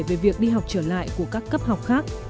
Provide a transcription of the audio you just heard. về việc đi học trở lại của các cấp học khác